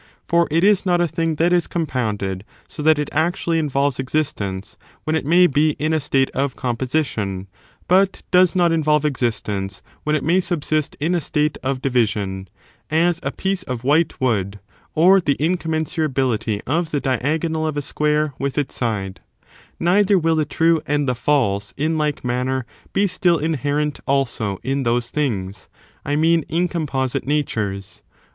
for it is not a thing that is compounded so that it actually involves existence when it may be in a state of composition, but does not involve existence when it may subsist in a state of division, — as a piece of white wood, or the incommensurability of the diagonal of a square with its side, — neither will the true and the false, in like manner, be still inherent, also, in those things — I mean, incomposite natures.